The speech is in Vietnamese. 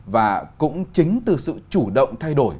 và cũng chính từ sự chủ động thay đổi